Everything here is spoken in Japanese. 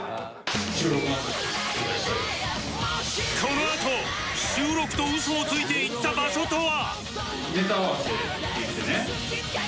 このあと収録とウソをついて行った場所とは？